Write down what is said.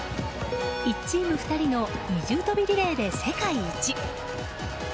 １チーム２人の二重跳びリレーで世界一。